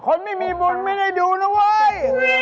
ไม่มีบุญไม่ได้ดูนะเว้ย